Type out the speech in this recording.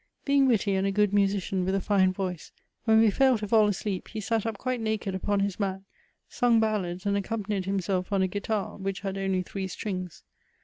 Being witty, and a good musician with a fine voice^ whoi we failed to fall asleep, he sat up quite naked upon his mat, sung ballads, and accompanied himself on a guitar, which had odiy three strings.